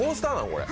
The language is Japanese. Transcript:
これ。